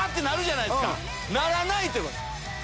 ならないということですから。